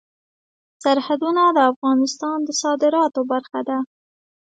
سرحدونه د افغانستان د صادراتو برخه ده.